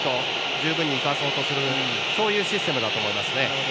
十分に生かそうとするそういうシステムだと思います。